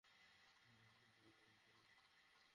আল্লাহ তাআলা তাদের প্রতি পঙ্গপাল অবতীর্ণ করেন।